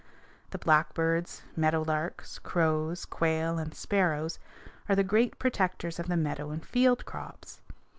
The blackbirds, meadow larks, crows, quail, and sparrows are the great protectors of the meadow and field crops.